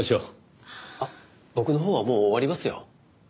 僕のほうはもう終わりますよ。